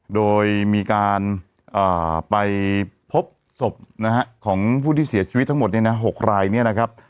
โดยมีการไปพบศพนะฮะของผู้ที่เสียชีวิตทั้งหมดเนี่ยนะ๖รายเนี่ยนะครับ